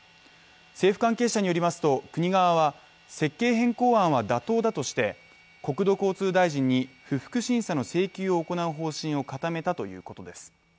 政府関係者によりますと国側は、設計変更案は妥当だとして国土交通大臣に不服審査の請求を行う方針を固めたということです。